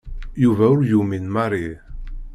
Yuba ur yumin Mary.